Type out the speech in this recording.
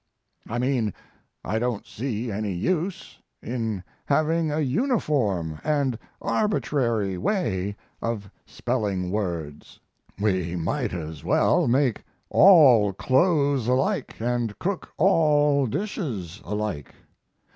I mean I don't see any use in having a uniform and arbitrary way of spelling words. We might as well make all clothes alike and cook all dishes alike.